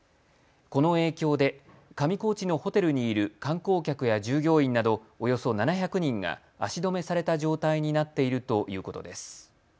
この影響で上高地のホテルにいる観光客や従業員などおよそ７００人が足止めされた状態になっているということです。